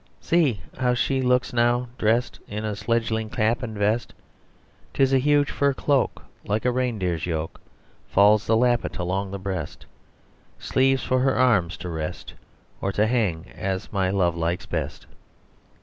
"See, how she looks now, dressed In a sledging cap and vest! 'Tis a huge fur cloak Like a reindeer's yoke Falls the lappet along the breast: Sleeves for her arms to rest, Or to hang, as my Love likes best."